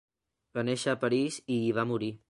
Va néixer a París i hi va morir.